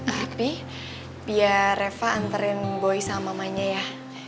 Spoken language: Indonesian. tapi biar reva anterin boy sama mamanya ya